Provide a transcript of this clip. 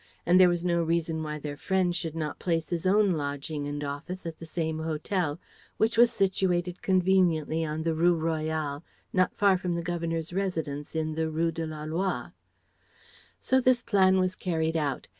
And there was no reason why their friend should not place his own lodging and office at the same hotel, which was situated conveniently on the Rue Royale not far from the Governor's residence in the Rue de la Loi. So this plan was carried out.